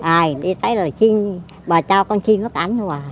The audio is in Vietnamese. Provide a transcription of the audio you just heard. ai đi tới là bà cho con chim bắp ảnh cho bà